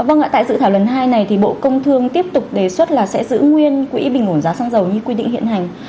vâng ạ tại dự thảo lần hai này thì bộ công thương tiếp tục đề xuất là sẽ giữ nguyên quỹ bình ổn giá xăng dầu như quy định hiện hành